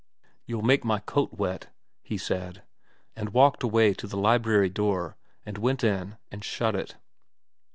' You'll make my coat wet,' he said ; and walked away to the library door and went in and shut it.